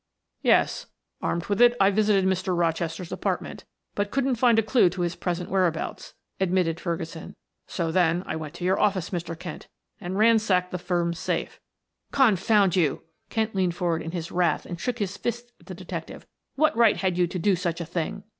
"Yes. Armed with it I visited Mr. Rochester's apartment, but couldn't find a clew to his present whereabouts," admitted Ferguson. "So then I went to your office, Mr. Kent, and ransacked the firm's safe." "Confound you!" Kent leaned forward in his wrath and shook his fist at the detective. "What right had you to do such a thing?"